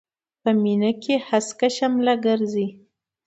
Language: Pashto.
په مينې کې هسکه شمله ګرځي.